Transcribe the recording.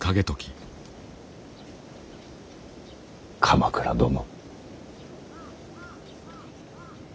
鎌倉殿。